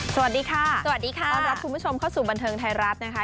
สวัสดีค่ะสวัสดีค่ะต้อนรับคุณผู้ชมเข้าสู่บันเทิงไทยรัฐนะคะ